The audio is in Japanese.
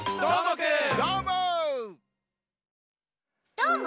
どーも！